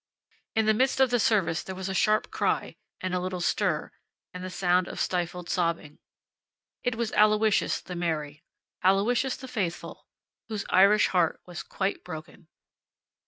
In the midst of the service there was a sharp cry, and a little stir, and the sound of stifled sobbing. It was Aloysius the merry, Aloysius the faithful, whose Irish heart was quite broken.